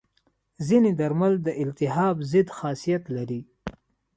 ځینې درمل د التهاب ضد خاصیت لري.